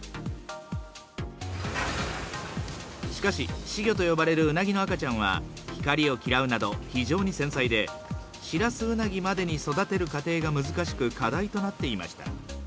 しかし、仔魚と呼ばれるウナギの赤ちゃんは、光を嫌うなど、非常に繊細で、シラスウナギまでに育てる過程が難しく、課題となっていました。